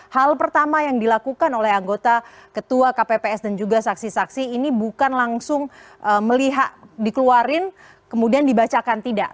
hal pertama yang dilakukan oleh anggota ketua kpps dan juga saksi saksi ini bukan langsung melihat dikeluarin kemudian dibacakan tidak